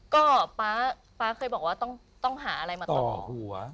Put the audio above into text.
ก็ป๊าเคยบอกว่าต้องหาอะไรมาต่อหัว